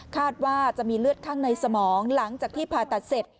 คาดว่าจะมีเลือดข้างในสมองหลังจากที่ผ่าตัดเสร็จ